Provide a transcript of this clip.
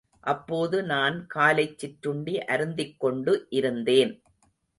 அப்போது நான் காலைச் சிற்றுண்டி அருந்திக் கொண்டு இருந்தேன்.